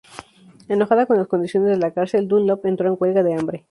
Enojada con las condiciones de la cárcel, Dunlop entró en huelga de hambre.